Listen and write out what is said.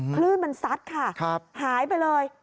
คลื่นมันซัดค่ะหายไปเลย